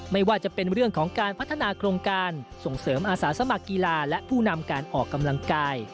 ไม่ว่าจะเป็นเรื่องของการพัฒนาโครงการส่งเสริมอาสาสมัครกีฬาและผู้นำการออกกำลังกาย